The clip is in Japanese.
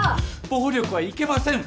暴力はいけません。